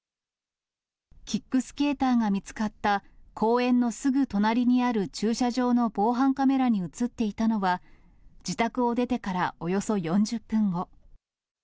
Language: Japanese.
キックスケーターが見つかった公園のすぐ隣にある駐車場の防犯カメラに写っていたのは、自宅を出てからおよそ４０分後。